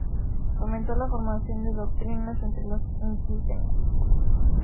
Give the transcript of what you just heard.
Fomentó la formación de doctrinas entre los indígenas.